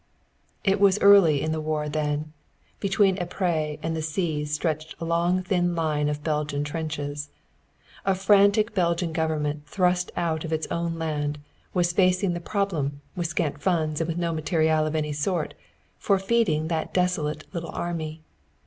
It was early in the war then, and between Ypres and the sea stretched a long thin line of Belgian trenches. A frantic Belgian Government, thrust out of its own land, was facing the problem, with scant funds and with no matériel of any sort, for feeding that desolate little army.